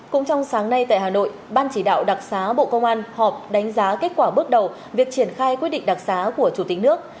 cũng trong sáng nay tại hà nội ban chỉ đạo đặc xá bộ công an họp đánh giá kết quả bước đầu việc triển khai quyết định đặc xá của chủ tịch nước